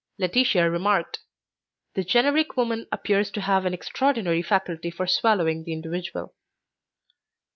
Laetitia remarked: "The generic woman appears to have an extraordinary faculty for swallowing the individual."